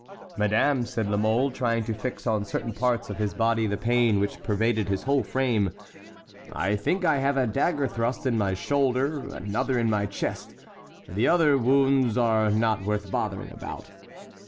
"Madame," said La Mole, trying to fix on certain parts of his body the pain which pervaded his whole frame, "I think I have a dagger thrust in my shoulder, another in my chest,—the other wounds are not worth bothering about."